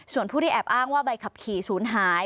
ส่วนผู้ที่แอบอ้างว่าใบขับขี่ศูนย์หาย